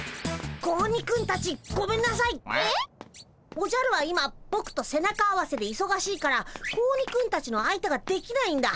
おじゃるは今ぼくと背中合わせでいそがしいから子鬼くんたちの相手ができないんだ。